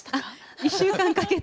１週間かけて。